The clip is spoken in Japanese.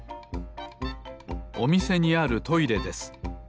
おみせにあるトイレです。